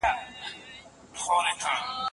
د لاس خط د هر زده کوونکي شخصي هویت دی.